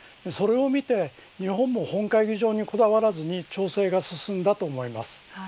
それを見て日本も本会議場にこだわらずに調整が進んだと思います。